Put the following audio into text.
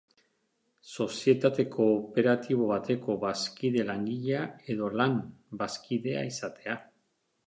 Sozietate kooperatibo bateko bazkide langilea edo lan-bazkidea izatea.